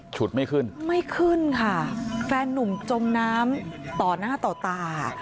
ฉุดไม่ขึ้นไม่ขึ้นค่ะแฟนนุ่มจมน้ำต่อหน้าต่อตา